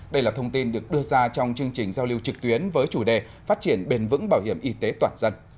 đây là thông tin được đưa ra trong chương trình giao lưu trực tuyến với chủ đề phát triển bền vững bảo hiểm y tế toàn dân